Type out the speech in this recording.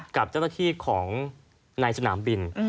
กับเจ้าหน้าที่ของในสนามบิน